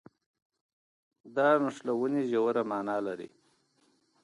دا نښلونې ژوره مانا لري.